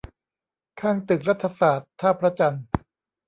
ข้างตึกรัฐศาสตร์ ท่าพระจันทร์